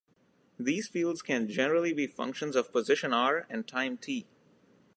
These fields can generally be functions of position r and time "t".